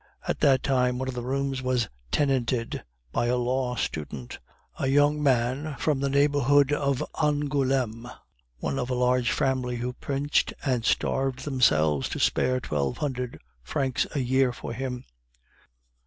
At that time one of the rooms was tenanted by a law student, a young man from the neighborhood of Angouleme, one of a large family who pinched and starved themselves to spare twelve hundred francs a year for him.